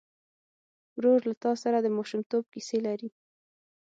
ورور له تا سره د ماشومتوب کیسې لري.